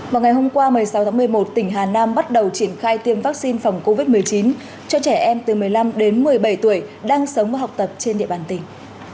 vào ngày hôm qua một mươi sáu tháng một mươi một tỉnh hà nam bắt đầu triển khai tiêm vaccine phòng covid một mươi chín cho trẻ em từ một mươi năm đến một mươi bảy tuổi đang sống và học tập trên địa bàn tỉnh